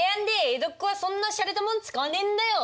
江戸っ子はそんなしゃれたもん使わねえんだよ。